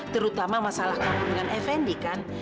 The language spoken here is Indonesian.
terutama masalah kampung dengan effendi kan